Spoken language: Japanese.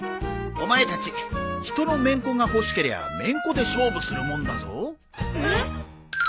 お前たち人のめんこが欲しけりゃめんこで勝負するもんだぞ。えっ！？